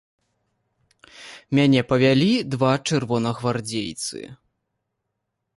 Мяне павялі два чырвонагвардзейцы.